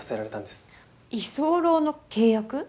居候の契約？